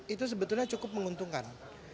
itu sebetulnya cukup menguntungkan